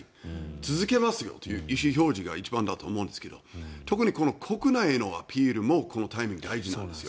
続けますよという意思表示が一番だと思うんですが特にこの国内のアピールもこのタイミング、大事なんですよ